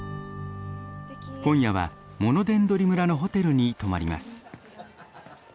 今夜はモノデンドリ村のホテルに泊まります。